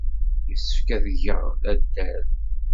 Yessefk ad geɣ addal.